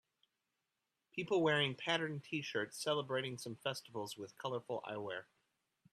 People wearing patterned tshirts celebrating some festivals with colorful eye wear